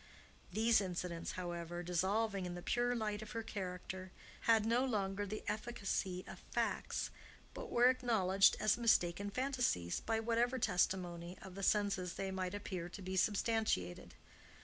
These incidents, however, dissolving in the pure light of her character, had no longer the efficacy of facts, but were acknowledged as mistaken fantasies, by whatever testimony of the senses they might appear to be substantiated.